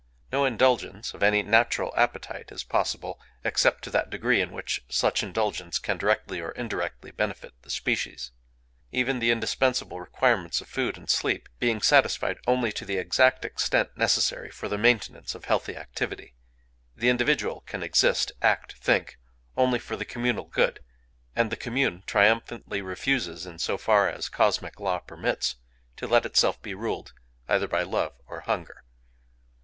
No indulgence of any natural appetite is possible except to that degree in which such indulgence can directly or indirectly benefit the species;—even the indispensable requirements of food and sleep being satisfied only to the exact extent necessary for the maintenance of healthy activity. The individual can exist, act, think, only for the communal good; and the commune triumphantly refuses, in so far as cosmic law permits, to let itself be ruled either by Love or Hunger.